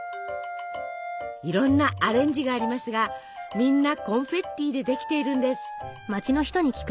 いろんなアレンジがありますがみんなコンフェッティでできているんです！